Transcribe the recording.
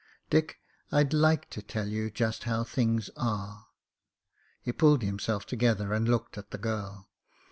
"Dick, I'd like to tell you just how things are." He pulled himself together and looked at the girl.